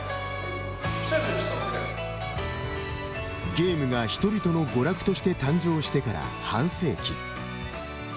ゲームが人々の娯楽として誕生してから半世紀。